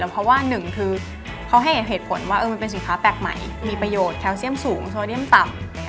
เพราะว่าหนึ่งคือเขาให้เหตุผลว่ามันเป็นสินค้าแปลกใหม่มีประโยชน์แคลเซียมสูงโซเดียมต่ำ